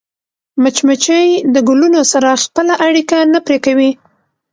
مچمچۍ د ګلونو سره خپله اړیکه نه پرې کوي